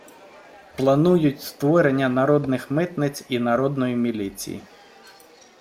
Планують: створення «народних митниць» і «народної міліції».